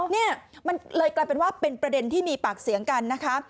เนี่ยมันเลยกลายเป็นว่าเป็นประเด็นที่มีปากเสียงกันนะคะ